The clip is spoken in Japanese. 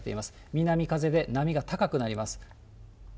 南風で波が高くなります。